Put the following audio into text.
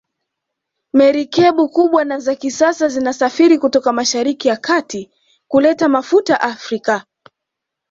Merikebu kubwa na za kisasa zinasafiri kutoka masahariki ya kati kuleta mafuta Afrika